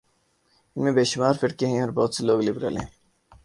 ان میں بے شمار فرقے ہیں اور بہت سے لوگ لبرل ہیں۔